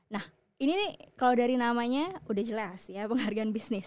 nah ini nih kalau dari namanya udah jelas ya penghargaan bisnis